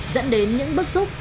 dẫn đến những bức xúc